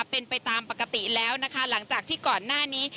เป็นไปตามปกติแล้วนะคะหลังจากที่ก่อนหน้านี้